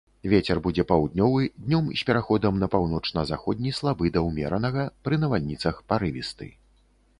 Вецер будзе паўднёвы, днём з пераходам на паўночна-заходні слабы да ўмеранага, пры навальніцах парывісты.